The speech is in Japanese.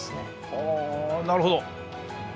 はあなるほど！